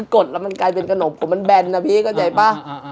กดแล้วมันกลายเป็นขนมผมมันแบนนะพี่เข้าใจป่ะ